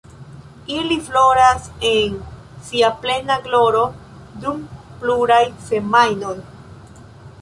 Ili floras en sia plena gloro dum pluraj semajnoj.